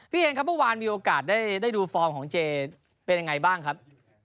เองครับเมื่อวานมีโอกาสได้ดูฟอร์มของเจเป็นยังไงบ้างครับ